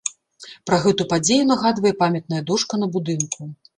Пра гэту падзею нагадвае памятная дошка на будынку.